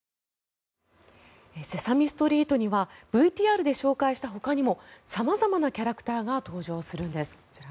「セサミストリート」にはＶＴＲで紹介したほかにも様々なキャラクターが登場するんです。